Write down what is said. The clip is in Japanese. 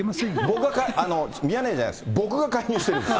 僕が、ミヤネ屋じゃないです、僕が介入してるんです。